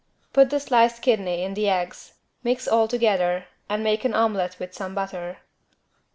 Put the sliced kidney in the eggs, mix all together and make an omelet with some butter.